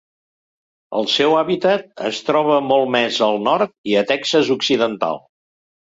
El seu hàbitat es troba molt més al nord i a Texas occidental.